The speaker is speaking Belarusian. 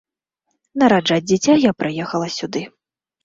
Нараджаць дзіця я прыехала сюды.